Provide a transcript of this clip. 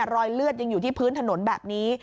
รอยเลือดยังอยู่ที่พื้นถนนแบบนี้